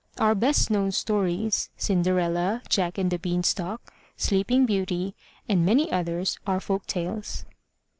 Our best known stories, Cinderella, Jack and the Bean stalk, Sleeping Beauty and many others are folk tales.